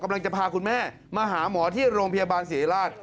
กำลังจะพาคุณแม่มาหาหมอที่โรงพยาบาลศรีราช